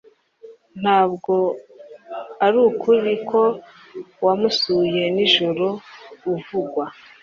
Ntabwo arukuri ko wamusuye nijoro uvugwa